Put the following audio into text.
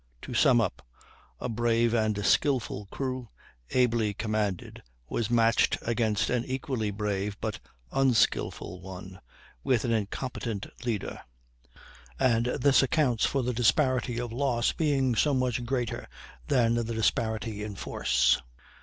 To sum up: a brave and skilful crew, ably commanded, was matched against an equally brave but unskilful one, with an incompetent leader; and this accounts for the disparity of loss being so much greater than the disparity in force.